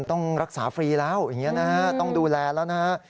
ต้องรักษาฟรีแล้วอย่างนี้นะฮะต้องดูแลแล้วนะฮะ